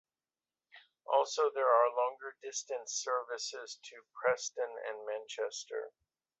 Also there are longer distance services to Preston and Manchester.